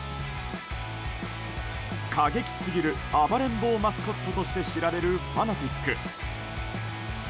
過激すぎる暴れん坊マスコットとして知られるファナティック。